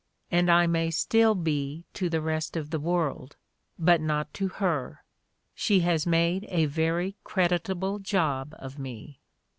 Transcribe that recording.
. and I may still be to the rest of the world, but not to her. She has made a very credit able job of me."